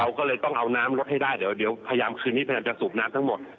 ก็เลยต้องเอาน้ำรถให้ได้เดี๋ยวพยายามคืนนี้พยายามจะสูบน้ำทั้งหมด